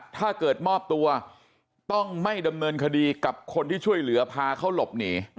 ถ้าเกิดมอบตัวต้องไม่ดำเนินคดีกับคนที่ช่วยเหลือพาเขาหลบหนี